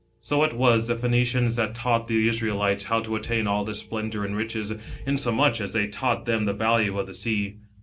So it was the Phoenicians that taught the Israelites, how to attain all this splendour and riches, insomuch as they taught +hem the value of the sea.